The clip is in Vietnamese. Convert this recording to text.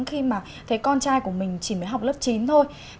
khi mà thấy con trai của mình chỉ mới học lớp chín thôi